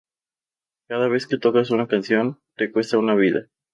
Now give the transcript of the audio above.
Cada vez que tocas una canción, te cuesta una vida.